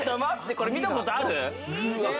これ見たことある。